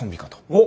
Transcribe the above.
おっ！